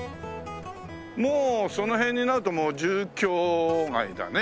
もうその辺になると住居街だね。